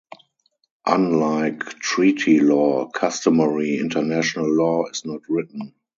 Unlike treaty law, customary international law is not written.